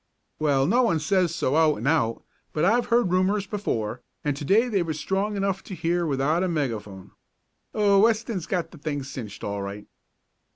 "Well, no one says so out and out, but I've heard rumors before, and to day they were strong enough to hear without a megaphone. Oh, Weston's got the thing cinched all right."